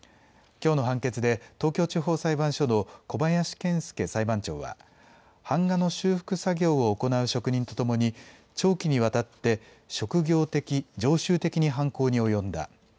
きょうの判決で東京地方裁判所の小林謙介裁判長は版画の修復作業を行う職人とともに長期にわたって職業的・常習的に犯行に及んだ。